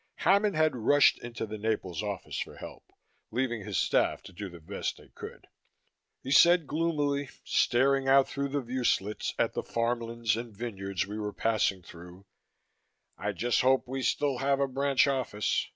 Hammond had rushed into the Naples office for help, leaving his staff to do the best they could. He said gloomily, staring out through the view slits at the farmlands and vineyards we were passing through, "I just hope we still have a branch office.